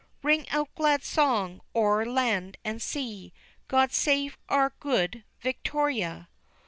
Ring out glad song o'er land and sea; God Save our Good Victoria!